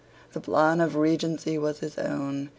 The plan of Regency was his own.